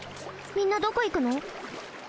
みんなどこ行くの？